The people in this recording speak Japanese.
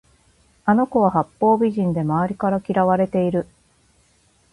あの子は八方美人で周りから嫌われている